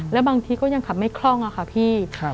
แล้วบางทีก็ยังขับไม่คล่องอะค่ะพี่